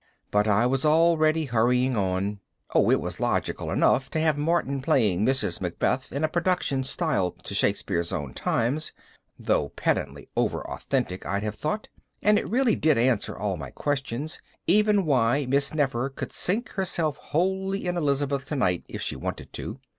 But I was already hurrying on. Oh, it was logical enough to have Martin playing Mrs. Macbeth in a production styled to Shakespeare's own times (though pedantically over authentic, I'd have thought) and it really did answer all my questions, even why Miss Nefer could sink herself wholly in Elizabeth tonight if she wanted to.